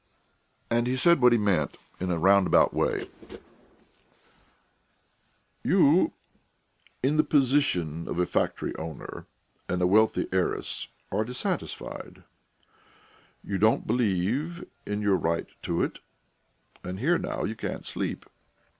And he said what he meant in a roundabout way: "You in the position of a factory owner and a wealthy heiress are dissatisfied; you don't believe in your right to it; and here now you can't sleep.